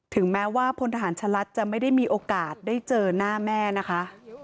แม้ว่าพลทหารชะลัดจะไม่ได้มีโอกาสได้เจอหน้าแม่นะคะ